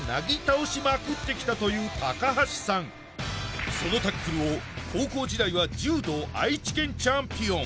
確かにという高橋さんそのタックルを高校時代は柔道愛知県チャンピオン